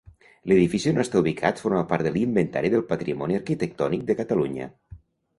L'edifici on està ubicat forma part de l'Inventari del Patrimoni Arquitectònic de Catalunya.